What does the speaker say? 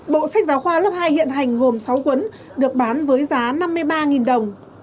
bộ sách giáo khoa lớp hai hiện hành gồm sáu cuốn được bán với giá năm mươi ba đồng